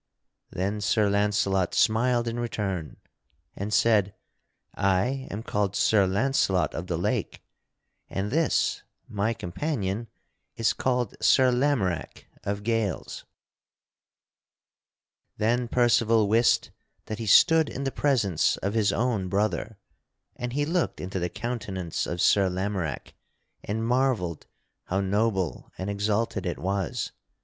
Then Sir Launcelot smiled in return and said: "I am called Sir Launcelot of the Lake, and this, my companion, is called Sir Lamorack of Gales." [Sidenote: Percival knoweth Sir Lamorack] Then Percival wist that he stood in the presence of his own brother, and he looked into the countenance of Sir Lamorack and marvelled how noble and exalted it was.